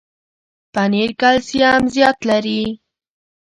پنېر کلسیم زیات لري.